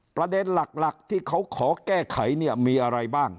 ประเด็นหลักที่เขาขอแก้ไขเนี่ยมีอะไรบ้าง